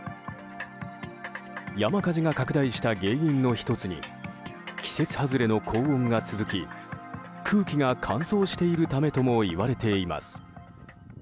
山火事が拡大した原因の１つに季節外れの高温が続き空気が乾燥しているためともいわれています。